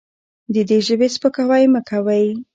د دې ژبې سپکاوی مه کوئ.